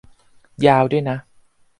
ยาวด้วยนะ